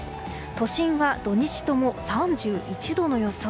都心は土日とも３１度の予想。